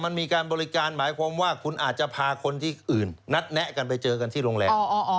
มันมีการบริการหมายความว่าคุณอาจจะพาคนที่อื่นนัดแนะกันไปเจอกันที่โรงแรม